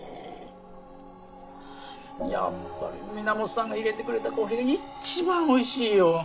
やっぱり皆本さんが入れてくれたコーヒーが一番おいしいよ。